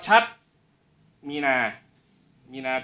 ช่างแอร์เนี้ยคือล้างหกเดือนครั้งยังไม่แอร์